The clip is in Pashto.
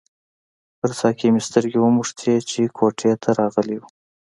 پر ساقي مې سترګې ونښتې چې کوټې ته راغلی وو.